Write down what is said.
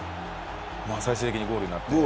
最終的にゴールになって。